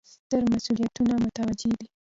ستر مسوولیتونه متوجه دي.